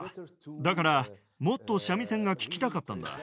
だから、もっと三味線が聴きたかったんだ。